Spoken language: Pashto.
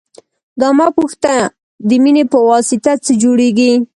دا مه پوښته د مینې پواسطه څه جوړېږي.